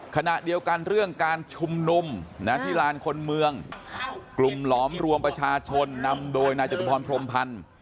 ขณะเดียวกันเรื่องการชุมนุมที่ลานคนเมืองกลุ่มหลอมรวมประชาชนนำโดยนายจตุพรพรมพันธ์